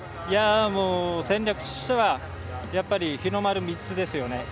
戦略としてはやっぱり日の丸３つですよね。